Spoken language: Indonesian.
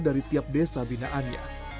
dari tiap desa binaannya